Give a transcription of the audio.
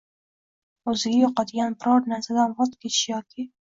O‘ziga yoqadigan biror narsadan voz kechishi yoki